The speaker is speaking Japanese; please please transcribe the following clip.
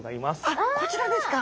あっこちらですか。